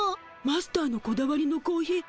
マスターのこだわりのコーヒー